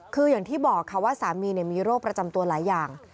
คืออย่างที่บอกค่ะว่าสามีมีโรคประจำตัวหลายอย่าง